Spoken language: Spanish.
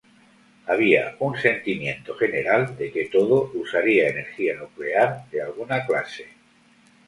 Había un sentimiento general de que todo usaría energía nuclear de alguna clase.